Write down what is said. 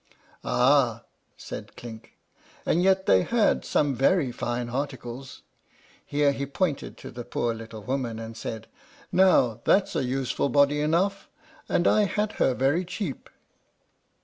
"Ah!" said Clink; "and yet they had some very fine articles." Here he pointed to the poor little woman, and said, "Now that's a useful body enough, and I had her very cheap."